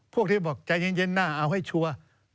พวกที่บอกใจเย็นนะเอาให้ชัวร์